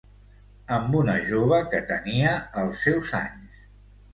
Amb una jove que tenia els seus anys.